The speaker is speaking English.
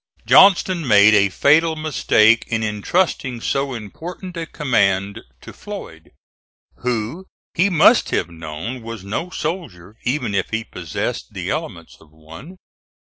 Johnston made a fatal mistake in intrusting so important a command to Floyd, who he must have known was no soldier even if he possessed the elements of one.